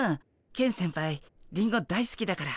ケン先輩リンゴ大すきだから。